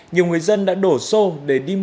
nhiều người dân đã đổ xô để đi mất